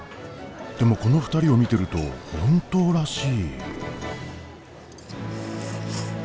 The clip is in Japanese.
でもこの２人を見てると本当らしい。